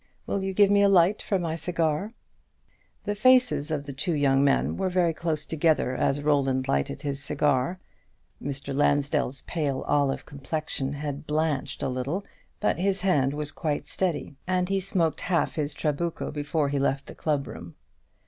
Will you give me a light for my cigar?" The faces of the two young men were very close together as Roland lighted his cigar. Mr. Lansdell's pale olive complexion had blanched a little, but his hand was quite steady, and he smoked half his Trabuco before he left the club room.